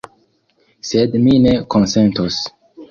Sed mi ne konsentos.